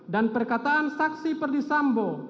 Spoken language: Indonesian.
dan perkataan saksi perdisambo